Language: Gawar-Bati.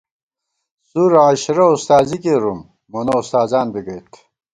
څُورعشَرہ اُستازی کېرُوم، مونہ اُستاذان بی گئیت